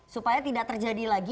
supaya tidak terjadi lagi